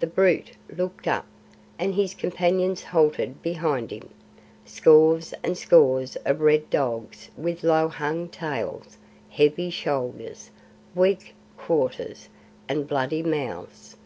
The brute looked up, and his companions halted behind him, scores and scores of red dogs with low hung tails, heavy shoulders, weak quarters, and bloody mouths.